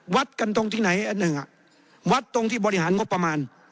วัดกันตรงที่ไหนอันหนึ่งวัดตรงที่บริหารงบประมาณ